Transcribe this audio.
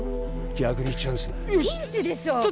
逆にチャンスだピンチでしょいや